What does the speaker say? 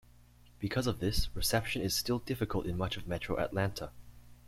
Because of this, reception is still difficult in much of metro Atlanta.